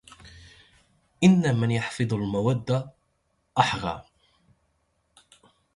ان من يحفظ المودة أحرى